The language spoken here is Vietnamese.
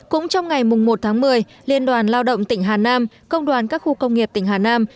cũng trong ngày một tháng một mươi liên đoàn lao động tỉnh hà nam công đoàn các khu công nghiệp tỉnh hà nam